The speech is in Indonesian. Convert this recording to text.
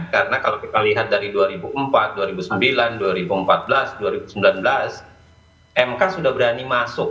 karena kalau kita lihat dari dua ribu empat dua ribu sembilan dua ribu empat belas dua ribu sembilan belas mk sudah berani masuk